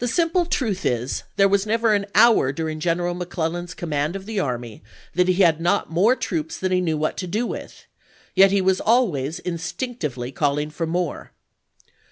The simple truth is, there was never an hour during General McClellan's command of the army that he had not more troops than he knew what to do with; yet he was always instinctively calling for more.